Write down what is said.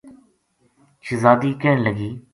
شہزادی کہن لگی